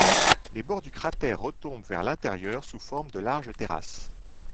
Les bords du cratère retombent vers l'intérieur sous forme de larges terrasses.